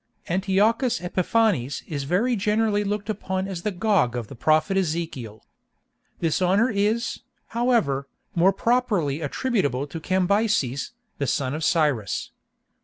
_ Antiochus Epiphanes is very generally looked upon as the Gog of the prophet Ezekiel. This honor is, however, more properly attributable to Cambyses, the son of Cyrus.